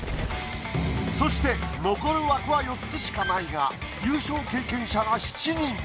そして残る枠は４つしかないが優勝経験者が７人。